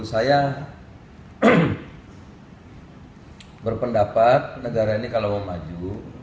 saya berpendapat negara ini kalau mau maju